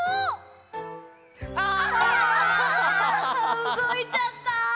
うごいちゃった。